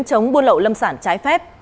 cảnh sản trái phép